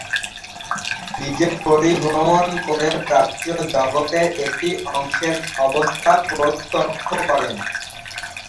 নিজে পরিভ্রমণ করে প্রাচ্য জগতের একটি অংশের অবস্থা প্রত্যক্ষ করেন।